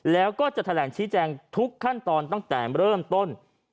แล้วก็จะแถลงชี้แจงทุกขั้นตอนตั้งแต่เริ่มต้น